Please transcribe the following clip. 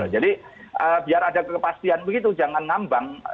jadi biar ada kepastian begitu jangan ngambang